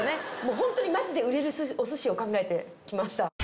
本当にまじで売れるお寿司を考えてきました。